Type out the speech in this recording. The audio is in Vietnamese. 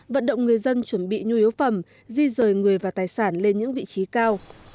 vận động người dân chuẩn bị nhu yếu phẩm di rời người và tài sản lên những vị trí cao